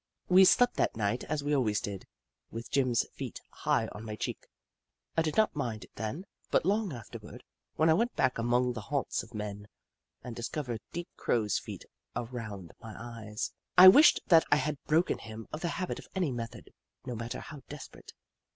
We slept that night as we always did, with Jim's feet high on my cheek. I did not mind it then, but long afterward, when I went back among the haunts of men, and discovered deep crow's feet around my eyes, I wished that I had broken him of the habit by any method, no matter how desperate.